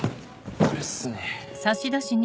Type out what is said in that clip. これっすね。